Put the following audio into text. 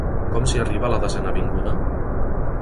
Com s'hi arriba a la Desena Avinguda?